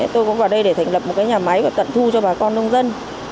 tôi cũng vào đây để thành lập một nhà máy tận thu cho bà con nông dân